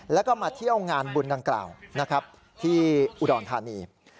แล้วก็มาเที่ยวงานบุญดังกล่าวนะครับที่อุดรธานี